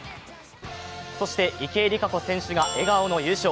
そして、池江璃花子選手が笑顔の優勝。